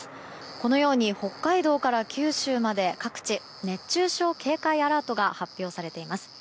このように北海道から九州まで各地、熱中症警戒アラートが発表されています。